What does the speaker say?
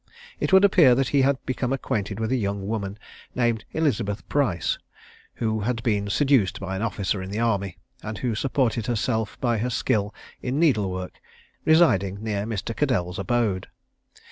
It would appear that he had become acquainted with a young woman named Elizabeth Price, who had been seduced by an officer in the army, and who supported herself by her skill in needle work, residing near Mr. Caddell's abode.